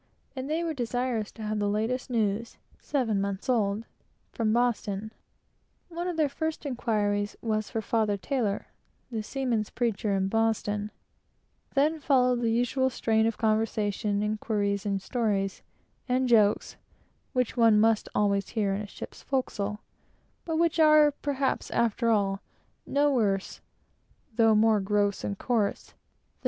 and they were anxious to have the latest news (seven months old) from Boston. One of their first inquiries was for Father Taylor, the seamen's preacher in Boston. Then followed the usual strain of conversation, inquiries, stories, and jokes, which, one must always hear in a ship's forecastle, but which are perhaps, after all, no worse, nor, indeed, more gross, than that of many well dressed gentlemen at their clubs.